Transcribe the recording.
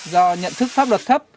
do nhận thức pháp luật thấp